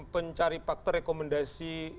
pencari faktor rekomendasi